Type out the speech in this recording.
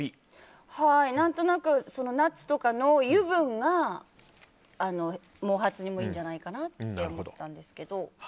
何となく、ナッツとかの油分が毛髪にもいいんじゃないかと思ったんですけど。